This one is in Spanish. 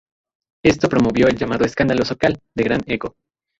Esto promovió el llamado Escándalo Sokal, de gran eco.